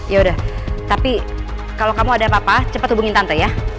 yaudah tapi kalo kamu ada apa apa cepet hubungin tante ya